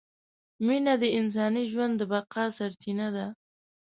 مینه د انساني ژوند د بقاء سرچینه ده!